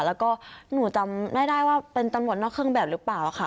แล้วก็หนูจำไม่ได้ว่าเป็นตำรวจนอกเครื่องแบบหรือเปล่าค่ะ